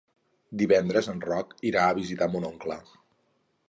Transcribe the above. Divendres en Roc irà a visitar mon oncle.